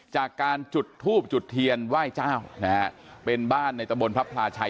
จากการจุดทูบจุดเทียนไหว้เจ้านะฮะเป็นบ้านในตะบนพระพลาชัย